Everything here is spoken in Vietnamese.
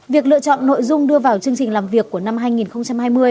việc lựa chọn nội dung đưa vào chương trình làm việc của năm hai nghìn hai mươi